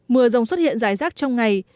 mưa rông xuất hiện dài rác trong ngày